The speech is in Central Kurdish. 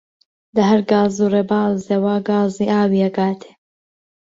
لە هەر گاز و ڕێبازێ وا گازی ئاوی ئەگاتێ